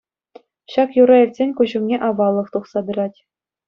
Ҫак юрра илтсен куҫ умне аваллӑх тухса тӑрать.